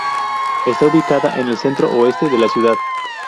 Está ubicada en el centro-oeste de la ciudad.